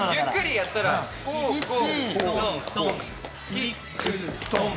キック、トン。